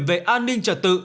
về an ninh trật tự